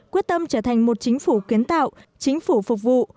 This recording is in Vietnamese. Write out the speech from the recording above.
quyết tâm trở thành một chính phủ kiến tạo chính phủ phục vụ